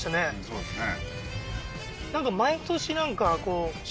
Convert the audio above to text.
そうですね